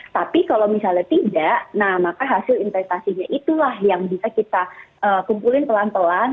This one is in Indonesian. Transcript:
tapi kalau misalnya tidak nah maka hasil investasinya itulah yang bisa kita kumpulin pelan pelan